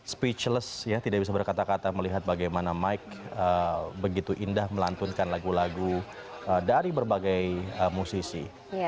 speechless ya tidak bisa berkata kata melihat bagaimana mike begitu indah melantunkan lagu lagu dari berbagai musisi